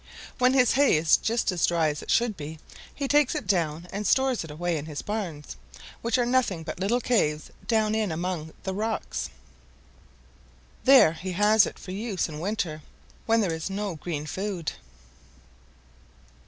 When his hay is just as dry as it should be, he takes it down and stores it away in his barns, which are nothing but little caves down in among the rocks. There he has it for use in winter when there is no green food.